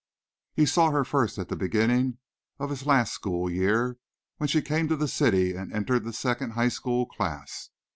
He saw her first at the beginning of his last school year when she came to the city and entered the second high school class.